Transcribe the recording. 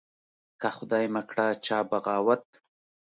که خدای مکړه چا بغاوت